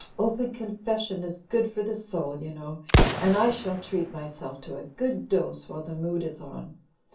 'Open confession is good for the soul,' you know, and I shall treat myself to a good dose while the mood is on.